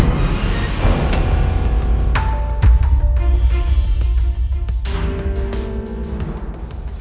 soal kasus pembunuhan